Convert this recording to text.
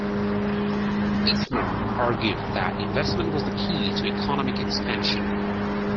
Eichner argued that investment was the key to economic expansion.